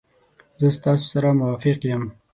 زه ستاسو سره موافق یم.